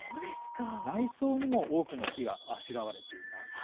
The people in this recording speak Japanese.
内装にも多くの木があしらわれています。